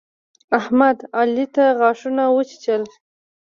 احمد، علي ته غاښونه وچيچل.